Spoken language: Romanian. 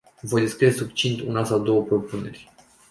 Voi descrie succint una sau două propuneri.